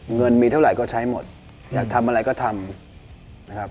เงินมีเท่าไหร่ก็ใช้หมดอยากทำอะไรก็ทำนะครับ